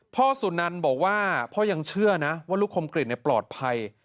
สุนันบอกว่าพ่อยังเชื่อนะว่าลูกคมกริจปลอดภัย